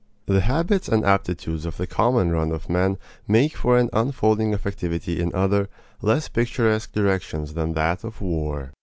The habits and aptitudes of the common run of men make for an unfolding of activity in other, less picturesque directions than that of war.